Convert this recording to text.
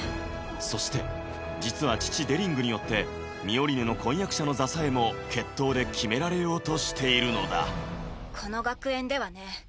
そして実は父デリングによってミオリネの婚約者の座さえも決闘で決められようとしているのだこの学園ではね